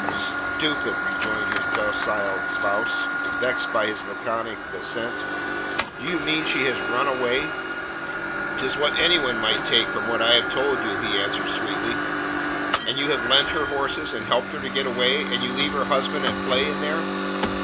"Stupid!" rejoined his docile spouse, vexed by his laconic assent. "Do you mean she has run away?" "Tis what anyone might take from what I have told you," he answered sweetly. "And you have lent her horses and helped her to get away, and you leave her husband at play in there?"